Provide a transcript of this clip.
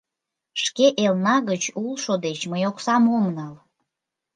— Шке элна гыч улшо деч мый оксам ом нал!